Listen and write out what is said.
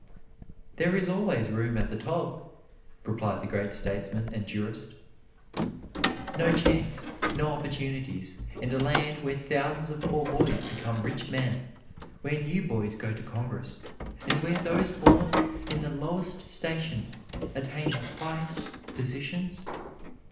"There is always room at the top," replied the great statesman and jurist. No chance, no opportunities, in a land where thousands of poor boys become rich men, where newsboys go to Congress, and where those born in the lowest stations attain the highest positions?